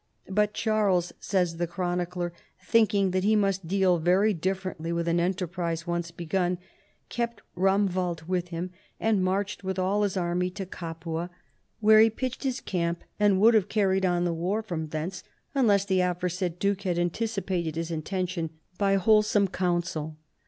But Charles, says the chronicler, " thinking that he must deal very differently with an enterprise once begun, kept Romwald with him and marched with all his army to Capua, where be REVOLTS AND CONSPIRACIES. 177 pitched his camp, and would have carried on the war from thence, unless the aforesaid duke had antici pated his intention by wholesome counsel.